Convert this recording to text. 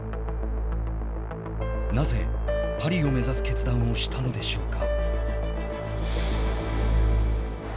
なぜ、パリを目指す決断をしたのでしょうか。